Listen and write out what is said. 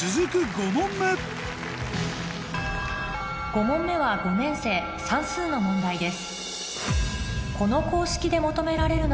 ５問目５問目は５年生算数の問題です